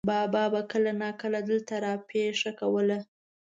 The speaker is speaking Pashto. بابا به کله ناکله دلته را پېښه کوله.